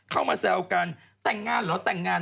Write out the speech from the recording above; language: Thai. เข้ามาแซวกันแต่งงานเหรอแต่งงาน